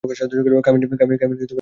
কামিনী আমার শৈশবের বন্ধু।